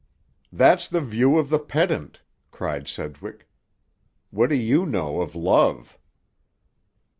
"That's the view of the pedant," cried Sedgwick. "What do you know of love?"